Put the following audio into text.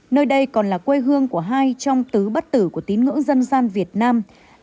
nơi đây còn là quê hương của hai trong tứ bất tử của tín ngưỡng dân gian việt nam